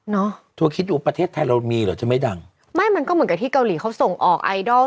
โทรคิดอยู่ประเทศไทยเรามีเหรอจะไม่ดังไม่มันก็เหมือนกับที่เกาหลีเขาส่งออกไอดอล